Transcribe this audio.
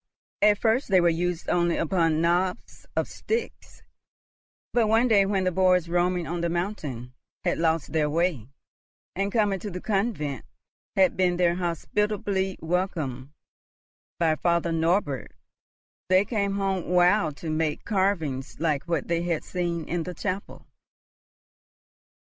At first they were used only upon knobs of sticks; but one day when the boys, roaming on the mountain, had lost their way, and coming to the convent had been there hospitably welcomed by Father Norbert, they came home wild to make carvings like what they had seen in the chapel.